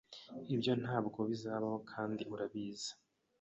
Ibyo ntabwo bizabaho, kandi urabizi.